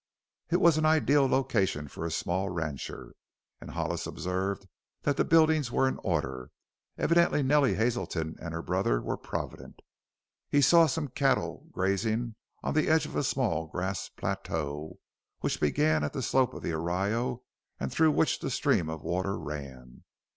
It was an ideal location for a small rancher, and Hollis observed that the buildings were in order evidently Nellie Hazelton and her brother were provident. He saw some cattle grazing on the edge of a small grass plateau which began at the slope of the arroyo through which the stream of water ran.